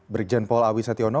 berikjian paul awisetyono